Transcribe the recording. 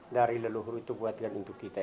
dari leluhur itu buatkan untuk kita